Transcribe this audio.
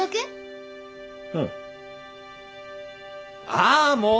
ああもう！